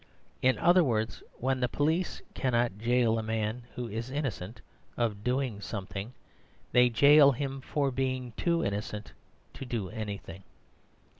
In other words, when the police cannot jail a man who is innocent of doing something, they jail him for being too innocent to do anything.